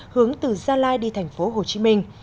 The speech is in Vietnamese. hướng từ gia lai đi tp hồ chí minh